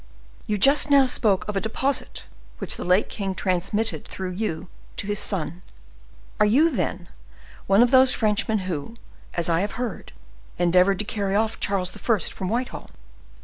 You just now spoke of a deposit which the late king transmitted through you to his son—are you, then, one of those Frenchmen who, as I have heard, endeavored to carry off Charles I. from Whitehall?"